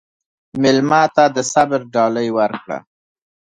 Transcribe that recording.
مېلمه ته د صبر ډالۍ ورکړه.